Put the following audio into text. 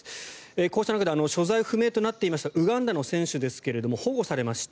こうした中で所在不明となっていましたウガンダの選手ですが保護されました。